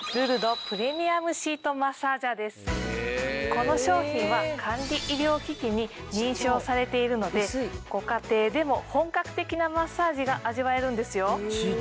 この商品は管理医療機器に認証されているのでご家庭でも本格的なマッサージが味わえるんですよ。